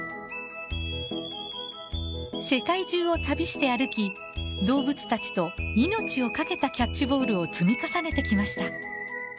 世界中を旅して歩き動物たちと命をかけたキャッチボールを積み重ねてきました。